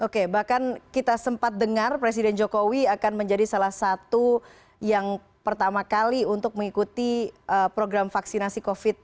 oke bahkan kita sempat dengar presiden jokowi akan menjadi salah satu yang pertama kali untuk mengikuti program vaksinasi covid sembilan belas